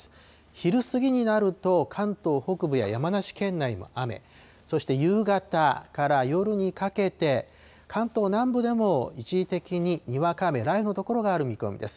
昼過ぎになると、関東北部や山梨県内も雨、そして夕方から夜にかけて、関東南部でも一時的に、にわか雨や雷雨の所がある見込みです。